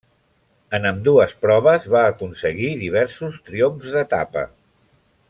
En ambdues proves va aconseguir diversos triomfs d'etapa.